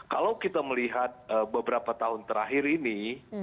kalau kita melihat beberapa tahun terakhir ini